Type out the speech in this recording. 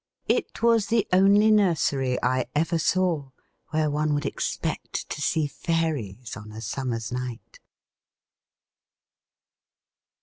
It was the only nursery I ever saw where one would expect to see fairies on a summer's night.